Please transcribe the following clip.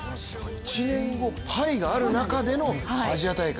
１年後、パリがある中でのアジア大会。